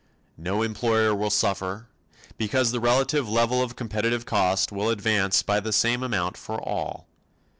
No employer will suffer, because the relative level of competitive cost will advance by the same amount for all.